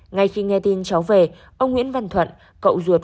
ngay khi nghe tin cháu về ông nguyễn văn thuận cậu ruột